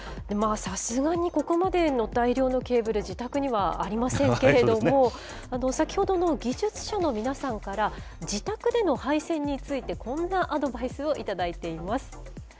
さすがに、ここまでの大量のケーブル、自宅にはありませんけれども、先ほどの技術者の皆さんから、自宅での配線について、こんなアドバイスをいただいています。